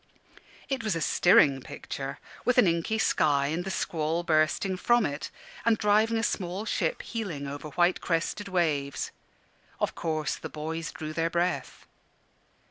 It was a stirring picture, with an inky sky, and the squall bursting from it, and driving a small ship heeling over white crested waves. Of course the boys drew their breath.